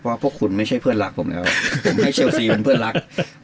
เพราะพวกคุณไม่ใช่เพื่อนรักผมแล้วผมให้เชลซีเป็นเพื่อนรัก